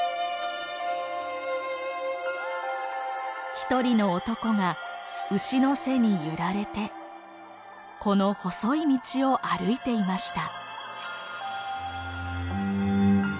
一人の男が牛の背に揺られてこの細い道を歩いていました。